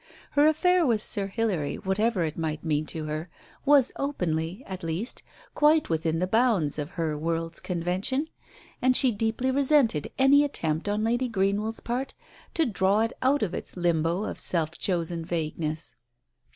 Her affair with Sir Hilary, whatever it might mean to her, was openly, at least, quite within the bounds of her world's convention, and she deeply resented any attempt on Lady Greenwell's part to draw it out of its limbo of self chosen vagueness.